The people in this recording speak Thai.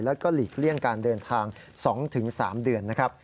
แล้วก็หลีกเลี่ยงการเดินทาง๒๓เดือนนะครับ